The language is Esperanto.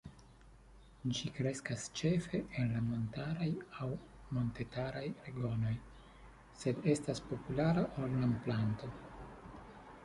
Ĝi kreskas ĉefe en la montaraj aŭ montetaj regionoj, sed estas populara ornamplanto.